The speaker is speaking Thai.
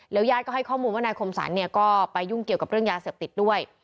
ญาติก็ให้ข้อมูลว่านายคมสรรเนี่ยก็ไปยุ่งเกี่ยวกับเรื่องยาเสพติดด้วย